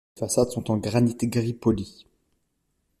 Les façades sont en granit gris poli.